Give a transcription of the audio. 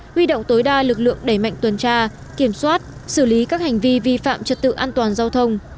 huy động tối đa lực lượng đẩy mạnh tuần tra kiểm soát xử lý các hành vi vi phạm trật tự an toàn giao thông